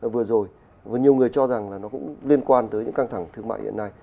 vừa rồi và nhiều người cho rằng là nó cũng liên quan tới những căng thẳng thương mại hiện nay